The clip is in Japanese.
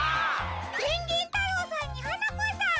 ペンギンたろうさんにはなこさん！